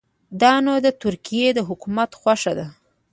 دا نو د ترکیې د حکومت خوښه ده.